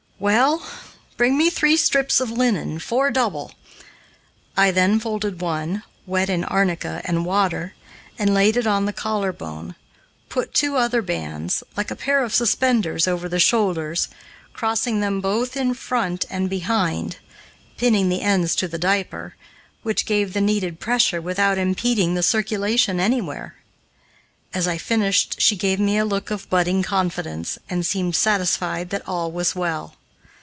"Well, bring me three strips of linen, four double." I then folded one, wet in arnica and water, and laid it on the collar bone, put two other bands, like a pair of suspenders, over the shoulders, crossing them both in front and behind, pinning the ends to the diaper, which gave the needed pressure without impeding the circulation anywhere. As I finished she gave me a look of budding confidence, and seemed satisfied that all was well.